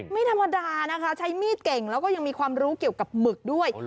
ไม่ธรรมดานะคะใช้มีดเก่งแล้วก็ยังมีความรู้เกี่ยวกับหมึกด้วย